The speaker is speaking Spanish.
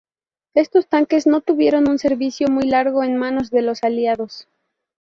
Estos tanques no tuvieron un servicio muy largo en manos de los Aliados.